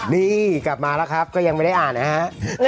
นี่กลับมาแล้วครับก็ยังไม่ได้อ่านนะฮะ